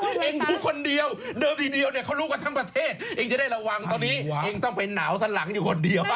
ทั้งผู้หญิงผู้ชายใช่ไหมครับ